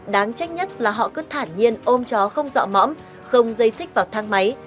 đáng trách nhất là họ cứ thả nhiên ôm chó không dọ mõm không dây xích vào thang máy